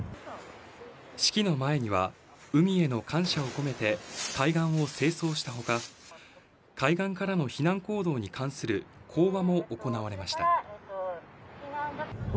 式の前には、海への感謝を込めて、海岸を清掃したほか、海岸からの避難行動に関する講話